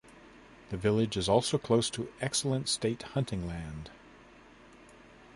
The village is also close to excellent state hunting land.